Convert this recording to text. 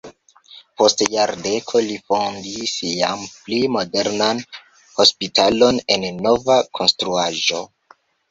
Post jardeko li fondis jam pli modernan hospitalon en nova konstruaĵo.